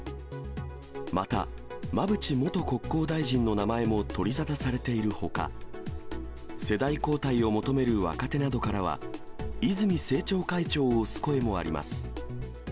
また、馬淵元国交大臣の名前も取り沙汰されているほか、世代交代を求める若手などからは、泉政調会長を推す声もあります。